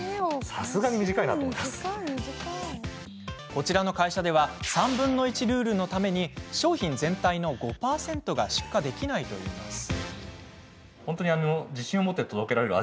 こちらの会社では３分の１ルールのために商品全体の５％が出荷できないといいます。